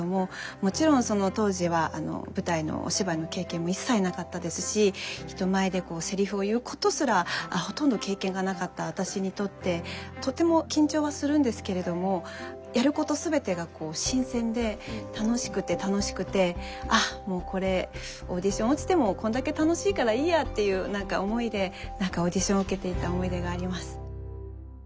もちろんその当時は舞台のお芝居の経験も一切なかったですし人前でこうセリフを言うことすらほとんど経験がなかった私にとってとても緊張はするんですけれどもやること全てが新鮮で楽しくて楽しくて「あっもうこれオーディション落ちてもこんだけ楽しいからいいや」っていう何か思いでオーディションを受けていた思い出があります。